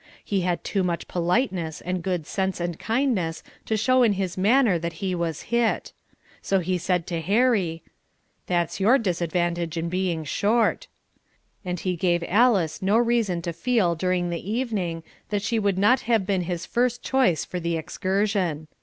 He had too much politeness and good sense and kindness to show in his manner that he was hit. So he said to Harry, "That's your disadvantage in being short." And he gave Alice no reason to feel during the evening that she would not have been his first choice for the excursion.